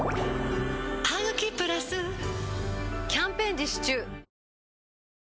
「ハグキプラス」キャンペーン実施中